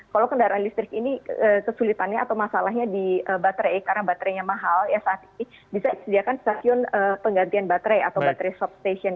kalau kendaraan listrik ini kesulitannya atau masalahnya di baterai karena baterainya mahal ya saat ini bisa disediakan stasiun penggantian baterai atau baterai sob station